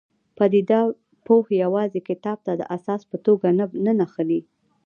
پدیده پوه یوازې کتاب ته د اساس په توګه نه نښلي.